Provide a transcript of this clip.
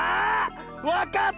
わかった！